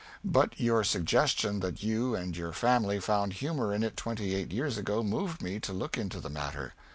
But your suggestion that you and your family found humor in it twenty eight years ago moved me to look into the matter.